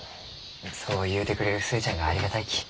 そう言うてくれる寿恵ちゃんがありがたいき。